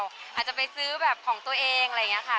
อาจจะไปซื้อแบบของตัวเองอะไรอย่างนี้ค่ะ